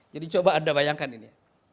jadi coba anda bayangkan ini